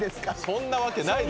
そんなわけない。